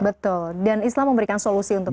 betul dan islam memberikan solusi untuk